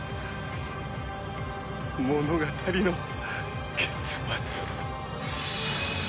物語の結末は。